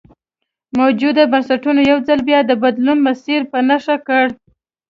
موجوده بنسټونو یو ځل بیا د بدلون مسیر په نښه کړ.